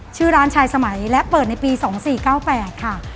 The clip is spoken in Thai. ชื่อร้านชายสมัยและเปิดในปี๒๔๙๘ค่ะ